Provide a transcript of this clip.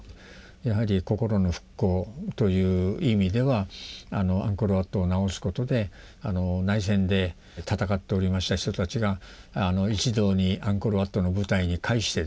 やはり心の復興という意味ではアンコール・ワットを直すことで内戦で戦っておりました人たちが一堂にアンコール・ワットの舞台に会してですね